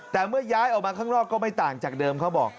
แต่เมื่อย้ายออกมาข้างนอกก็ไม่ต่างจากเดิมเขาบอก